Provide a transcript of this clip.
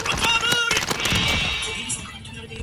Teams highlighted in green progress to the quarter-finals.